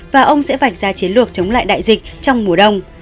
và ông sẽ vạch ra chiến lược chống lại đại dịch trong mùa đông